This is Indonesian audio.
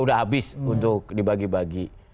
udah habis untuk dibagi bagi